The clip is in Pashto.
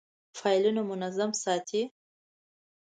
فایلونه منظم ساتئ؟